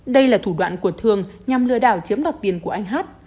đây là thủ đoạn của thường nhằm lừa đảo chiếm đoạt tiền của anh hát